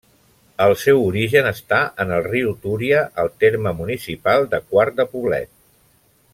El seu origen està en el riu Túria, al terme municipal de Quart de Poblet.